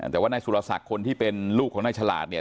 แต่ว่านายสุรศักดิ์คนที่เป็นลูกของนายฉลาดเนี่ย